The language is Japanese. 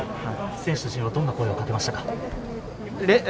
選手たちにどんな声をかけましたか？